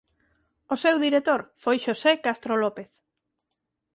O seu director foi Xosé Castro López.